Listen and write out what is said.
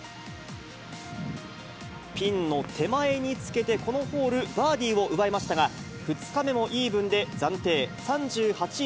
ピンの手前につけて、このホール、バーディーを奪いましたが、２日目もイーブンで暫定３８位